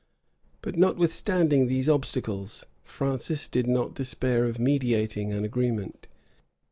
But notwithstanding these obstacles, Francis did not despair of mediating an agreement.